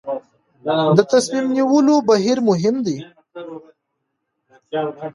د تصمیم نیولو بهیر مهم دی